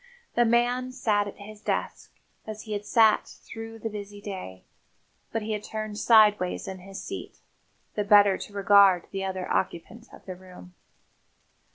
The man sat at his desk, as he had sat through the busy day, but he had turned sideways in his seat, the better to regard the other occupant of the room.